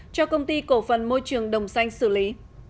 cho công ty cổ phần môi trường đồng xanh xử lý